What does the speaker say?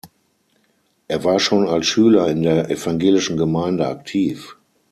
Er war schon als Schüler in der evangelischen Gemeinde aktiv.